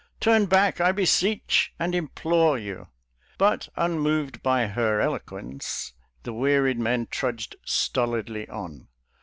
Turn back, I beseech arid implore you !" But unmoved by i her eloquence, the wearied men trudged stolidly on.